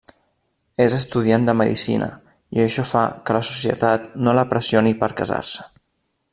És estudiant de medicina i això fa que la societat no la pressioni per casar-se.